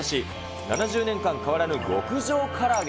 ７０年間変わらぬ極上から揚げ。